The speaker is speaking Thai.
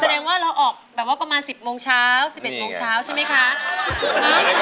แสดงว่าเราออกแบบว่าประมาณ๑๐โมงเช้า๑๑โมงเช้าใช่ไหมคะ